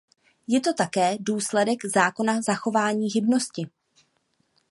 Je to také důsledek zákona zachování hybnosti.